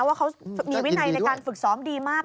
ว่าเขามีวินัยในการฝึกซ้อมดีมาก